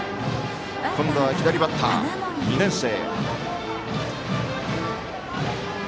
今度は左バッター、２年生。